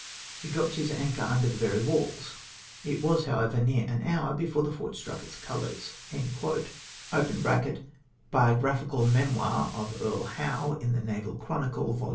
He dropped, his anclior under the very vails. It was, however, near an hour before the fort struck its colours." [Biographicad Memoir of Earl Ho7ve in tJte Naval Chronicle, vol.